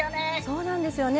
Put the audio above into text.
そうなんですよね。